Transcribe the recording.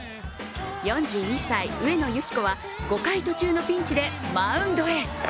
４１歳、上野由岐子は５回途中のピンチでマウンドへ。